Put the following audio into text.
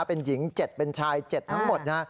เป็นหญิง๗เป็นชาย๗ทั้งหมดนะฮะ